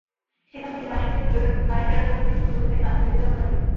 সেখান থেকে বাড়ি ফেরার পথে প্রতিপক্ষের লোকজন তাঁকে ধানখেতে কুপিয়ে হত্যা করে।